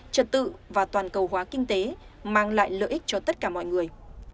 trật tự và toàn cầu hóa kinh tế mang lại lợi ích cho tất cả mọi người